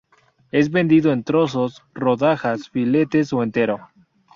Es vendido en trozos, rodajas, filetes o entero.